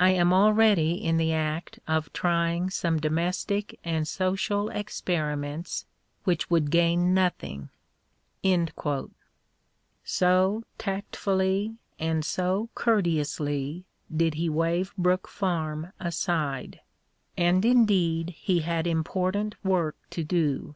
I am already in the act of trying some domestic and social experiments which would gain nothing. So tactfully and so courteously did he waive Brook Farm aside. And indeed he had important work to do.